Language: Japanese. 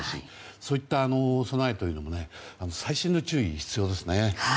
そういった備えというのも細心の注意が必要ですね。